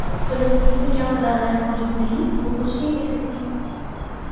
فلسطین میں کیا ملالائیں موجود نہیں کیا وہ کچھ نہیں لکھ سکتیں